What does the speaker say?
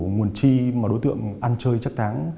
nguồn chi mà đối tượng ăn chơi chắc tháng